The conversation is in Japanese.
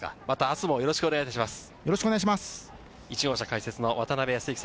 明日もよろしくお願いします。